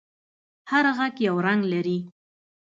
هر غږ یو رنگ لري.